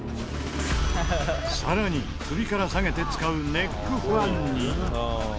さらに首から下げて使うネックファンに。